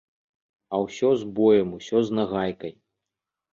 А ўсё з боем, ўсё з нагайкай.